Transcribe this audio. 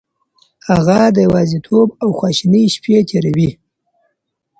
هغه د يوازيتوب او خواشينۍ شپې تېروي.